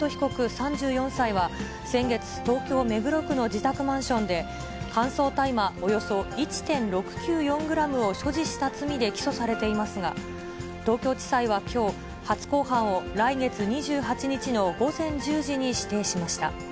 ３４歳は先月、東京・目黒区の自宅マンションで、乾燥大麻およそ１．６９４グラムを所持した罪で起訴されていますが、東京地裁はきょう、初公判を来月２８日の午前１０時に指定しました。